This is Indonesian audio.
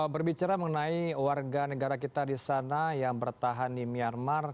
berbicara mengenai warga negara kita di sana yang bertahan di myanmar